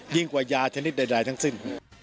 ยิ่งกว่ายาชนิดใดทั้งสิ้น